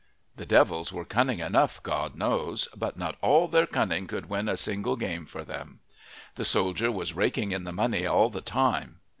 The devils were cunning enough, God knows, but not all their cunning could win a single game for them. The soldier was raking in the money all the time.